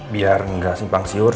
biar gak simpang siur